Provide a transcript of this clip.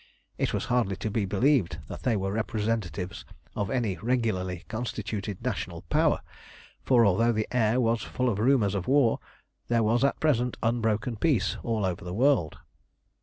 It was hardly to be believed that they were representatives of any regularly constituted national Power, for, although the air was full of rumours of war, there was at present unbroken peace all over the world.